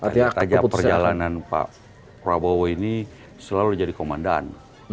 ternyata perjalanan pak prabowo ini selalu jadi komandan